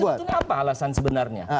jadi sebetulnya apa alasan sebenarnya